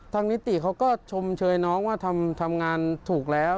นิติเขาก็ชมเชยน้องว่าทำงานถูกแล้ว